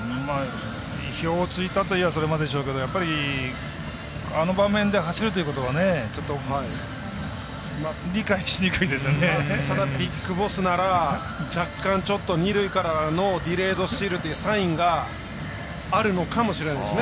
意表をついたといえばそれまででしょうがやっぱりあの場面で走るということはただＢＩＧＢＯＳＳなら若干、ちょっと二塁からのディレードスチールというサインがあるのかもしれないです。